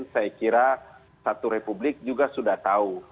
saya kira satu republik juga sudah tahu